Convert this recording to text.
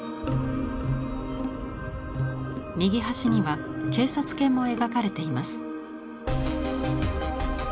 右端には警察犬も描かれています。